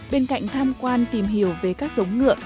bên cạnh tham quan tìm hiểu về các giống ngựa